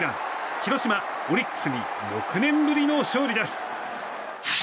広島、オリックスに６年ぶりの勝利です！